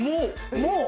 もう。